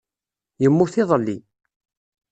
Yemmut iḍelli.